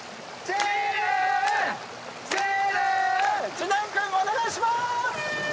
知念君お願いしまーす！